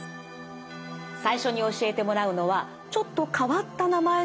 最初に教えてもらうのはちょっと変わった名前のポーズです。